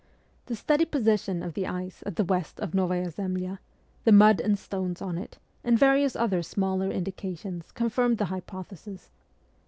The steady position of the ice at the west of Novaya Zemlya, the mud and stones on it, and various other smaller indications confirmed the hypothesis.